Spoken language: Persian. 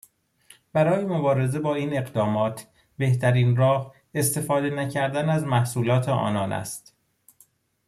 برای مبارزه با این اقدامات، بهترین راه، استفاده نکردن از محصولات آنان است